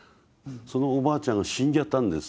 そのおばあちゃんが死んじゃったんです